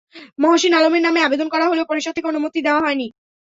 মোহসিন আলমের নামে আবেদন করা হলেও পরিষদ থেকে অনুমতি দেওয়া হয়নি।